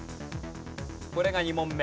これが２問目。